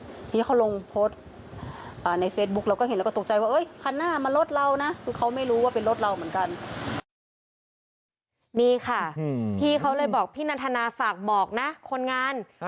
ทีนี้เขาลงโพสต์ในเฟซบุ๊กเราก็เห็นแล้วก็ตกใจว่า